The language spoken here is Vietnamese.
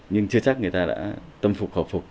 nhưng chưa chắc người ta đã tâm phục khẩu phục